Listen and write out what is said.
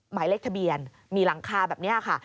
หมายเลขทะเบียนมีหลังคาแบบนี้ค่ะ